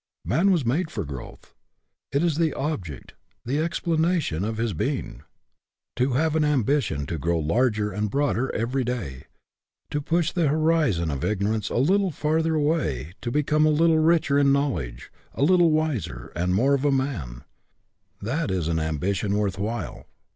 Man was made for growth. It is the object, the explanation, of his being. To have an ambition to grow larger and broader every day, to push the horizon of ignorance a little 32 EDUCATION BY ABSORPTION further away, to become a little richer in knowledge, a little wiser, and more of a man that is an ambition worth while.